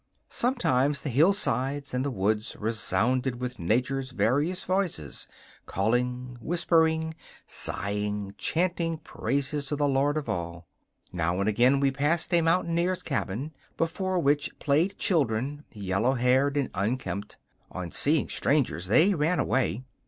Sometimes the hillsides and the woods resounded with nature's various voices, calling, whispering, sighing, chanting praises to the Lord of all. Now and again we passed a mountaineer's cabin, before which played children, yellow haired and unkempt. On seeing strangers, they ran away.